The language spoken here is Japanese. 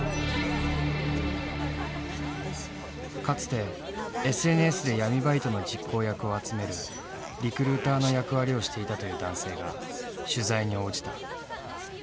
かつてＳＮＳで闇バイトの実行役を集めるリクルーターの役割をしていたという男性が取材に応じた。